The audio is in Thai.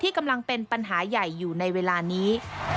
กำลังเป็นปัญหาใหญ่อยู่ในเวลานี้